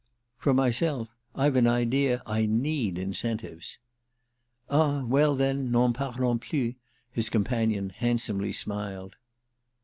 "For myself I've an idea I need incentives." "Ah well then, n'en parlons plus!" his companion handsomely smiled.